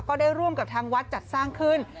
ก็ได้ร่วมกับทางวัดจัดสร้างขึ้น